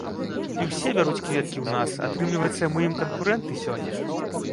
І ўсе бяруць кветкі ў нас, атрымліваецца, мы ім канкурэнты сёння.